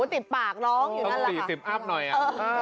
ติดปากร้องอยู่นั่นแหละค่ะ